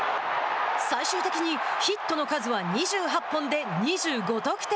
最終的にヒットの数は２８本で２５得点。